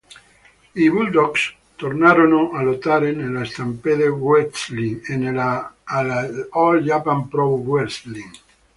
I Bulldogs tornarono a lottare nella Stampede Wrestling e nella All Japan Pro Wrestling.